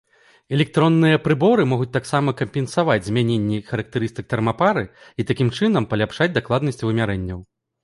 Электронныя прыборы могуць таксама кампенсаваць змяненні характарыстык тэрмапары, і такім чынам паляпшаць дакладнасць вымярэнняў.